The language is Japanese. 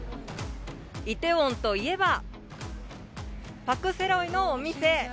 梨泰院といえば、パク・セロイのお店。